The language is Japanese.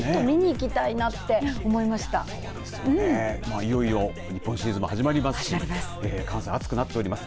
いよいよ日本シリーズも始まりますし関西、熱くなっております。